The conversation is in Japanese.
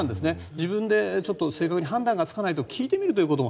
自分で正確に判断がつかない時は聞いてみるということも。